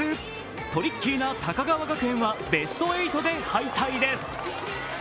トリッキーな高川学園はベスト８で敗退です。